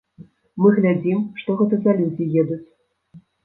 Мы глядзім, што гэта за людзі едуць.